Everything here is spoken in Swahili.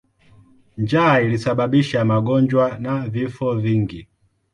Njaa ilisababisha magonjwa na vifo vingi.